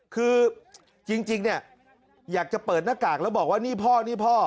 คือจริงเนี่ยอยากจะเปิดหน้ากากแล้วบอกว่านี่พ่อนี่พ่อ